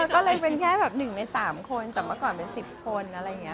ก็เลยเป็น๑ใน๓คนจำเป็นจะเป็น๑๐คน